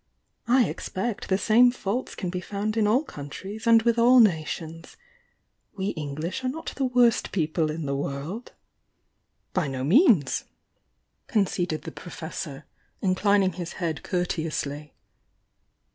"I expect the same faults can be found in all coun tries and with all nations. We English are not the worst people in the world!" "By no means!" conceded the Professor, inclin ing his head courteously.